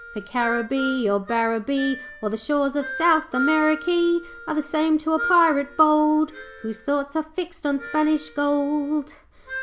'"For Caribbee, or Barbaree, Or the shores of South Amerikee Are all the same to a Pirate bold, Whose thoughts are fixed on Spanish gold."